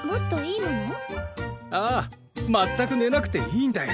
ああ全くねなくていいんだよ。